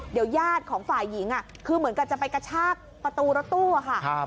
เดี๋ยวญาติของฝ่ายหญิงคือเหมือนกับจะไปกระชากประตูรถตู้ค่ะ